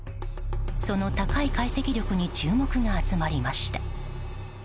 その高い解析力に注目が集まりました。